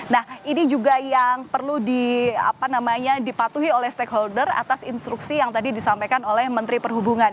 nah ini juga yang perlu dipatuhi oleh stakeholder atas instruksi yang tadi disampaikan oleh menteri perhubungan